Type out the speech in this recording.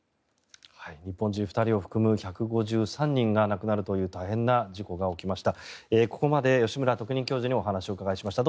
日本人２人を含む１５３人が亡くなるという大変な事故が起きました。